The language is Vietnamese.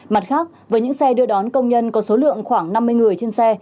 mặt khác với những xe đưa đón công nhân có số lượng khoảng năm mươi người trên xe